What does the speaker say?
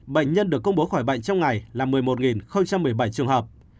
bệnh nhân được công bố khỏi bệnh trong ngày là một mươi một một mươi bảy trường hợp